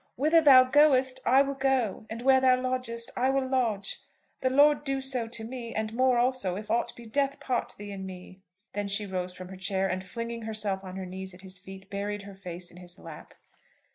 'Whither thou goest, I will go; and where thou lodgest, I will lodge. The Lord do so to me, and more also, if aught but death part thee and me."' Then she rose from her chair, and flinging herself on her knees at his feet, buried her face in his lap.